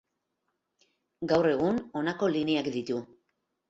Gaur egun honako lineak ditu.